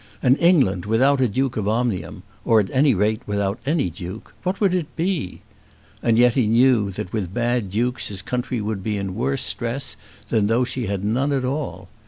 An England without a Duke of Omnium, or at any rate without any Duke, what would it be? And yet he knew that with bad Dukes his country would be in worse stress than though she had none at all.